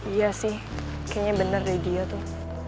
iya sih kayaknya bener deh dia tuh